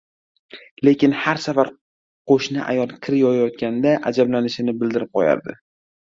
Lekin har safar qoʻshni ayol kir yoyayotganda ajablanishini bildirib qoʻyardi